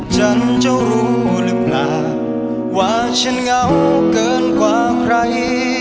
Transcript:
ฉันจะรู้หรือเปล่าว่าฉันเหงาเกินกว่าใคร